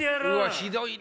ひどいね。